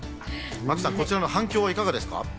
こちらの反響はいかがですか？